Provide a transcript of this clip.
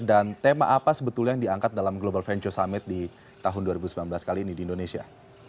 dan tema apa sebetulnya yang diangkat dalam global venture summit di tahun dua ribu sembilan belas kali ini di indonesia